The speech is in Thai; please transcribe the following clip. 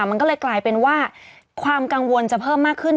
มันก็เลยกลายเป็นว่าความกังวลจะเพิ่มมากขึ้น